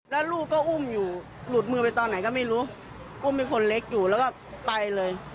แล้วลูกก็อุ้มอยู่หลุดมือไปตอนไหนก็ไม่รู้อุ้มเป็นคนเล็กอยู่แล้วก็ไปเลย